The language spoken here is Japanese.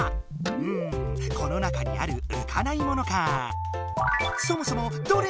うんこの中にあるうかないものかぁ。